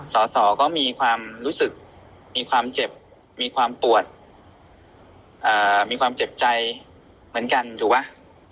สอสอก็มีความรู้สึกมีความเจ็บมีความปวดมีความเจ็บใจเหมือนกันถูกไหม